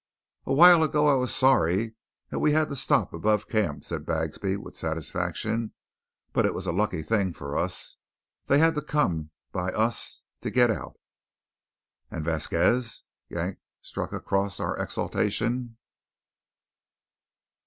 "A while ago I was sorry we had to stop above camp," said Bagsby with satisfaction; "but it was a lucky thing for us. They had to come by us to git out." "And Vasquez?" Yank struck across our exultation.